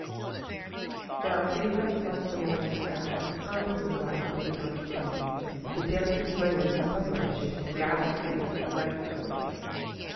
I Now daylight floods the morning sky, And earthward glides the approaching day, The dancing rays of sunlight chase The gathered fears of night away.